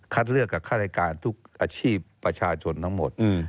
เลือกกับข้ารายการทุกอาชีพประชาชนทั้งหมด